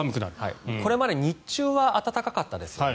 これまで日中は暖かかったですよね。